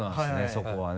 そこはね。